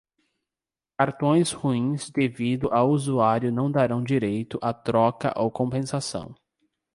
Cartões ruins devido ao usuário não darão direito a troca ou compensação.